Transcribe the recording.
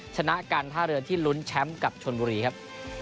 ชนะการท่าเรือที่ลุ้นแชมป์กับชนบุรีครับ